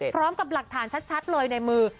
พร้อมกับหลักฐานชัดเลยในมือ